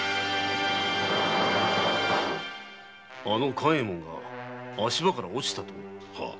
あの官右衛門が足場から落ちたと？